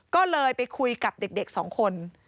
ก็เลยไปคุยกับเด็กสองคน